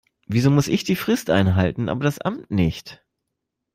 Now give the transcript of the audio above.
Wieso muss ich die Frist einhalten, aber das Amt nicht.